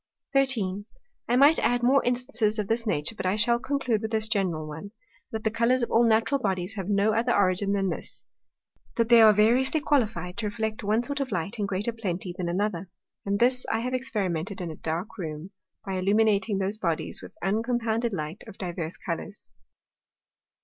13. I might add more Instances of this Nature; but I shall conclude with this general one, that the Colours of all natural Bodies have no other Origin than this, that they are variously qualified to reflect one sort of Light in greater plenty than another. And this I have experimented in a dark Room, by illuminating those Bodies with uncompounded Light of divers Colours.